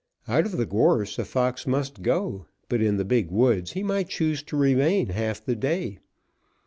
Out of the gorse a fox must go; but in the big woods he might choose to remain half the day.